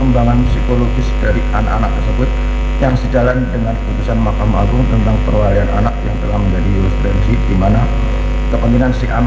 bahwa berhubung perselisihan antara penggugat dan perkeluarannya